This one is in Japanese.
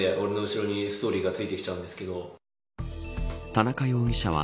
田中容疑者は